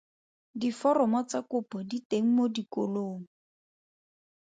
Diforomo tsa kopo di teng mo dikolong.